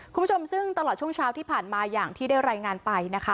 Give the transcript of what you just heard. คุณผู้ชมซึ่งตลอดช่วงเช้าที่ผ่านมาอย่างที่ได้รายงานไปนะคะ